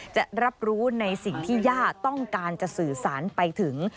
จะรับรู้ในสิ่งที่ย่าต้องการจะสื่อสารไปถึง